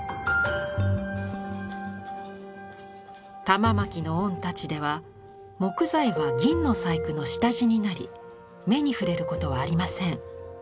玉纏御太刀では木材は銀の細工の下地になり目に触れることはありません。